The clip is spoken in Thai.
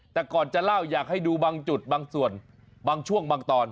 แต่ก่อนจะเล่าอยากให้ดูบางจุดบางส่วนบางช่วงบางตอน